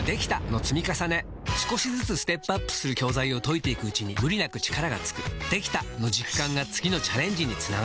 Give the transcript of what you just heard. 少しずつステップアップする教材を解いていくうちに無理なく力がつく「できた！」の実感が次のチャレンジにつながるよし！